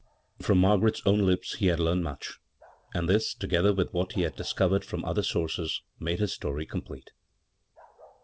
From Margaret's own lips he bad learned much, and this, together with what he had discovered from other sources, made his story complete.